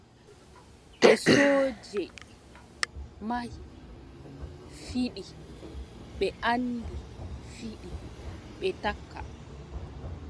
To sooje mahi fiɗi, ɓe anndi fiɗi, ɓe takka.